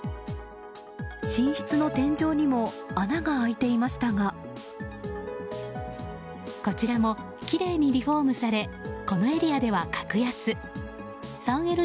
寝室の天井にも穴が開いていましたがこちらもきれいにリフォームされこのエリアでは格安。